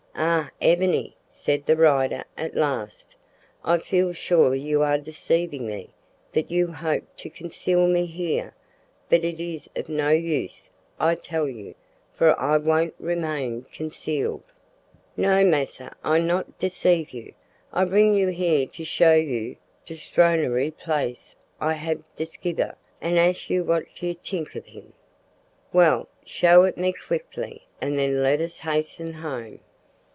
"Ah! Ebony," said the rider at last, "I feel sure you are deceiving me that you hope to conceal me here, but it is of no use, I tell you, for I won't remain concealed." "No, massa, I not deceive you. I bring you here to show you de stronary place I hab diskiver, an ax you what you t'ink ob him." "Well, show it me quickly, and then let us hasten home."